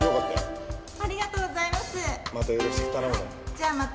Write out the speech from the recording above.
じゃあまた。